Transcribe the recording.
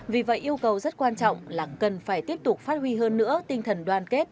vì vậy yêu cầu rất quan trọng là cần phải tiếp tục phát huy hơn nữa tinh thần đoàn kết